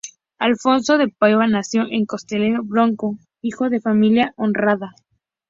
Afonso de Paiva nació en Castelo Branco, hijo de familia honrada.